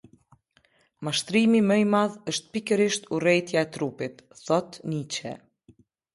Mashtrimi më i madh është pikërisht urrejtja e trupit, thotë Niçe.